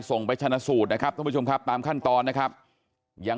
ไปชนะสูตรนะครับท่านผู้ชมครับตามขั้นตอนนะครับยัง